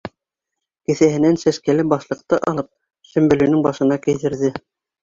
Кеҫәһенән сәскәле башлыҡты алып, Сөмбөлөнөң башына кейҙерҙе.